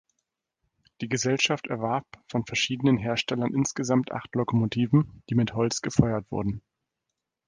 Die Gesellschaft erwarb von verschiedenen Herstellern insgesamt acht Lokomotiven, die mit Holz gefeuert wurden.